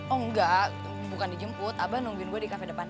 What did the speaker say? oh enggak bukan dijemput abah nungguin gue di kafe depan